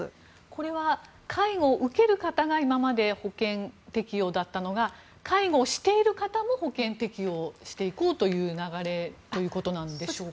これは介護を受ける方々が今まで保険適用だったのが介護をしている方も保険適用していこうという流れなんでしょうか？